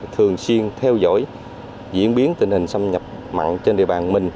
thường xuyên theo dõi diễn biến tình hình xâm nhập mặn trên địa bàn mình